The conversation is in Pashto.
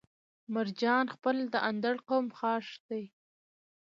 مرجان خيل د اندړ قوم خاښ دی